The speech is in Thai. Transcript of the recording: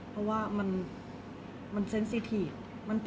เพราะว่ามัน